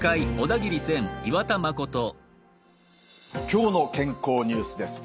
「きょうの健康ニュース」です。